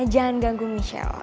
jangan ganggu michelle